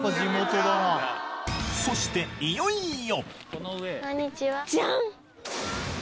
そしていよいよ！